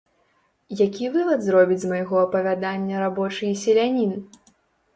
Які вывад зробіць з майго апавядання рабочы і селянін?